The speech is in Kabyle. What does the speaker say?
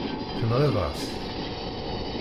Tenɣiḍ-as-t.